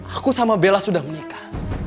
aku sama bella sudah menikah